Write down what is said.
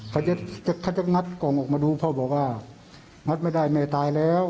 เขาจะเขาจะงัดกล่องออกมาดูพ่อบอกว่างัดไม่ได้แม่ตายแล้ว